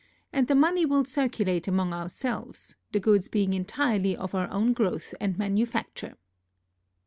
And the money will circulate among our selves, the goods being entirely of our own growth and manufacture.